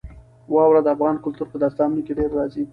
واوره د افغان کلتور په داستانونو کې ډېره راځي.